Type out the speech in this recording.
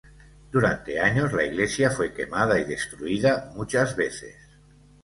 Durante años, la iglesia fue quemada y destruida muchas veces.